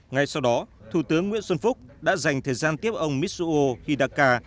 ngay sau đó thủ tướng nguyễn xuân phúc đã dành thời gian tiếp ông mitsuo hidaka